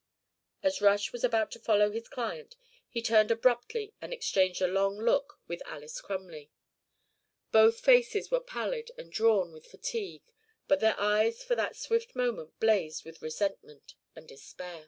As Rush was about to follow his client he turned abruptly and exchanged a long look with Alys Crumley. Both faces were pallid and drawn with fatigue but their eyes for that swift moment blazed with resentment and despair.